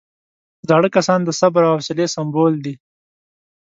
زاړه کسان د صبر او حوصلې سمبول دي